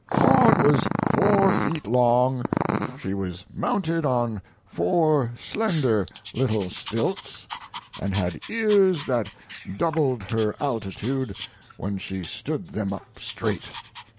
Maud was four feet long; she was mounted on four slender little stilts, and had ears that doubled her altitude when she stood them up straight.